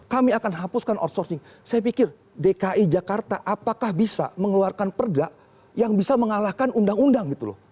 kami akan hapuskan outsourcing saya pikir dki jakarta apakah bisa mengeluarkan perda yang bisa mengalahkan undang undang gitu loh